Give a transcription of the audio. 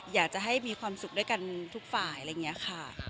อยากจะให้มีความสุขด้วยกันทุกฝ่ายอะไรอย่างนี้ค่ะ